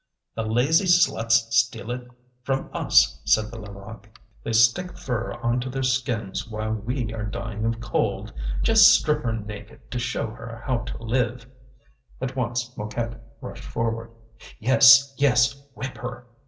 "The lazy sluts steal it from us," said the Levaque. "They stick fur on to their skins while we are dying of cold. Just strip her naked, to show her how to live!" At once Mouquette rushed forward. "Yes, yes! whip her!"